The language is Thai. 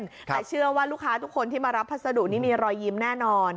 แต่เชื่อว่าลูกค้าทุกคนที่มารับพัสดุนี้มีรอยยิ้มแน่นอน